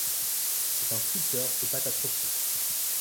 C'est un fouisseur aux pattes atrophiées.